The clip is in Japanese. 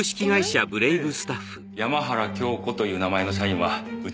山原京子という名前の社員はうちには。